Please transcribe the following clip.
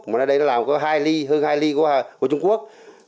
mà đây nó làm có hai ly hơn hai ly của trung quốc